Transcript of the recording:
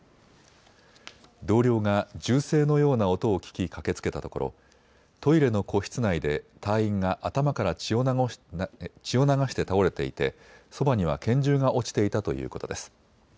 同僚が銃声のような音を聞き駆けつけたところトイレの個室内で隊員が頭から血を流して倒れていて、そばには拳銃が落ちていたということです。